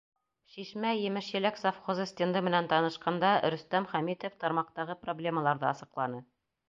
Шишмә емеш-еләк совхозы стенды менән танышҡанда Рөстәм Хәмитов тармаҡтағы проблемаларҙы асыҡланы.